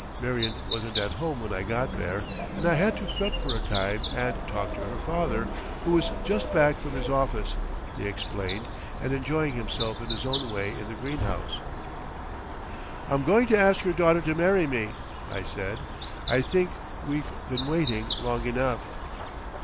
Marion wasn't at home when I got there and I had to fret for a time and talk to her father, who was just back from his office, he explained, and enjoying himself in his own way in the greenhouse. "I'm going to ask your daughter to marry me!" I said. "I think we've been waiting long enough."